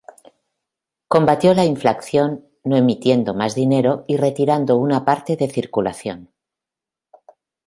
Combatió la inflación, no emitiendo más dinero y retirando una parte de circulación.